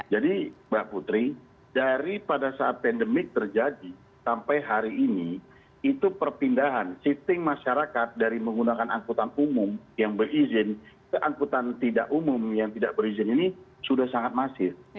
jadi mbak putri dari pada saat pandemik terjadi sampai hari ini itu perpindahan shifting masyarakat dari menggunakan angkutan umum yang berizin ke angkutan tidak umum yang tidak berizin ini sudah sangat masif